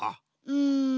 うん。